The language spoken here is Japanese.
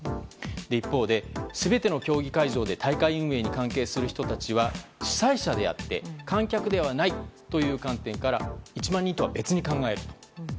一方で全ての競技会場で大会運営に関係する人たちは主催者であって観客ではないという観点から１万人とは別に考える。